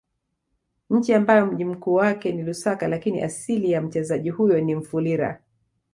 Nchi ambayo mji mkuu wake ni Lusaka lakini asili ya mchezaji huyo ni Mufulira